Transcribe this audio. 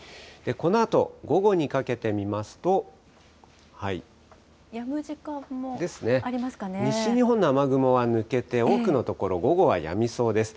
このあと午後にかけて見ますと。ですね。西日本の雨雲は抜けて、多くの所、午後はやみそうです。